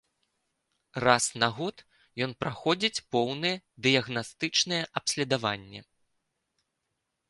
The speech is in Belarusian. Раз на год ён праходзіць поўнае дыягнастычнае абследаванне.